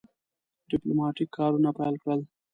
ډیپلوماټیک کارونه پیل کړل.